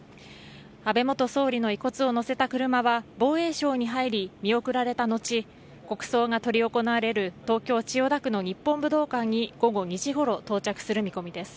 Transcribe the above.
安倍元総理の遺骨を載せた車は防衛省に入り、見送られたのち国葬が執り行われる東京・千代田区の日本武道館に午後２時ごろ到着する見込みです。